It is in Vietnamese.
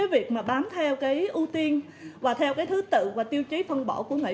việc bám theo ưu tiên và theo thứ tự và tiêu chí phân bổ của chính phủ